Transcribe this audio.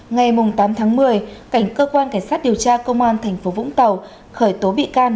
ngày tám tháng một mươi cảnh cơ quan cảnh sát điều tra công an tp vũng tàu khởi tố bị can